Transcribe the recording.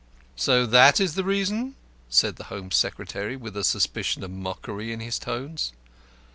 "So that is the reason?" said the Home Secretary, with a suspicion of mockery in his tones.